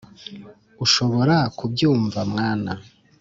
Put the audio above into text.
urashobora kubyumva mwana